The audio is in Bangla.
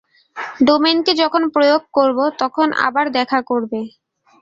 ডোমেইনকে যখন প্রয়োগ করবো, তখন আবার দেখা করবে।